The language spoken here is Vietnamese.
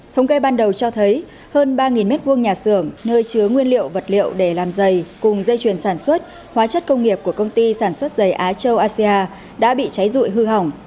thống kê ban đầu cho thấy hơn ba m hai nhà xưởng nơi chứa nguyên liệu vật liệu để làm dày cùng dây chuyển sản xuất hóa chất công nghiệp của công ty sản xuất giày á châu asean đã bị cháy rụi hư hỏng